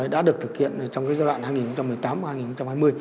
đã được thực hiện trong cái giai đoạn hai nghìn một mươi tám hai nghìn hai mươi